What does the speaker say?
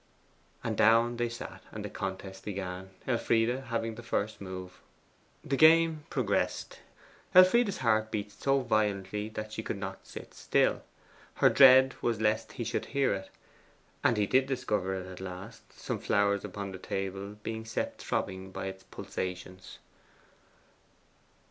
And down they sat, and the contest began, Elfride having the first move. The game progressed. Elfride's heart beat so violently that she could not sit still. Her dread was lest he should hear it. And he did discover it at last some flowers upon the table being set throbbing by its pulsations.